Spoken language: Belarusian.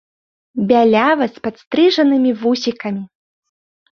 Бялявы, з падстрыжанымі вусікамі.